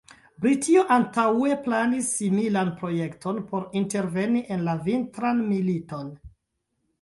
Britio antaŭe planis similan projekton por interveni en la Vintran Militon.